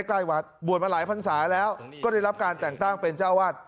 ใกล้วัดบวชมาหลายพันศาแล้วก็ได้รับการแต่งตั้งเป็นเจ้าวาด